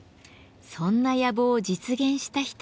そんな野望を実現した人が。